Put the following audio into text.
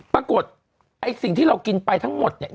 ปรากฏไอ้สิ่งที่เรากินไปทั้งหมดเนี่ย